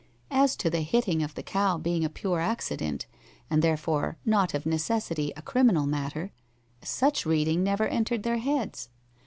As to the hitting of the cow being a pure accident, and therefore not of necessity a criminal matter, such reading never entered their heads.